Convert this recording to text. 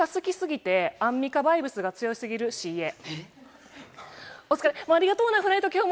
アンミカ好きすぎて、アンミカバイブスが強すぎるＣＡ。